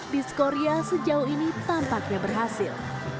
disco ria sejauh ini tampaknya berhasil